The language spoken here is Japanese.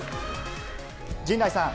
陣内さん。